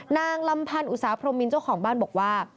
นางลำพันธ์อุตสาพรมมินเจ้าของบ้านบอกว่า